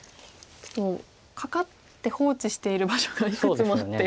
ちょっとカカって放置している場所がいくつもあって。